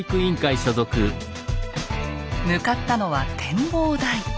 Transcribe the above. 向かったのは展望台。